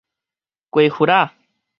雞核仔